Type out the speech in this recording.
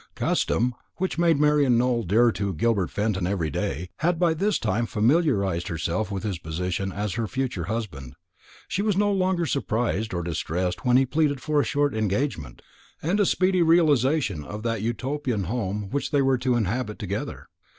Custom, which made Marian Nowell dearer to Gilbert Fenton every day, had by this time familiarised her with his position as her future husband. She was no longer surprised or distressed when he pleaded for a short engagement, and a speedy realization of that Utopian home which they were to inhabit together.